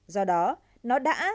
do đó nó đã